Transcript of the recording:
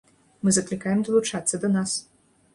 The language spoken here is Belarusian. Мы заклікаем далучацца да нас.